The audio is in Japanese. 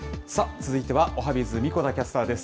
続いてはおはＢｉｚ、神子田キャスターです。